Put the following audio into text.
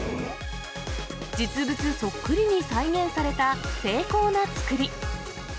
実物そっくりに再現された精巧な作り。